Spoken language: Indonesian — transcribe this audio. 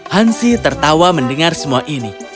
hansi tertawa mendengar semua ini